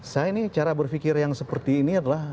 saya ini cara berpikir yang seperti ini adalah